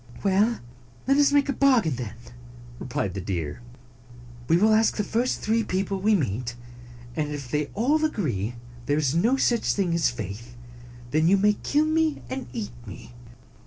"Well, let us make a bargain, then," replied the deer. "We will ask the first three people we meet, and if they all agree there is no such 141 thing as faith, then you may kill me and eat me."